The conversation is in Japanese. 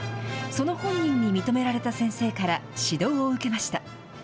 その本人に認められた先生から、指導を受けました。